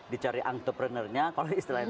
di cari entrepreneurnya kalau istilahnya